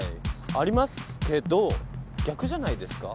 ありますけど逆じゃないですか？